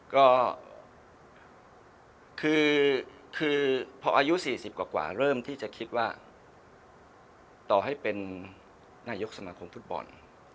ก็คือพออายุ๔๐กว่าเริ่มที่จะคิดว่าต่อให้เป็นนายกสมาคมฟุตบอล